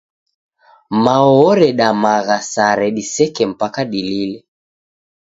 Mao oredemagha sare diseke mpaka dilile.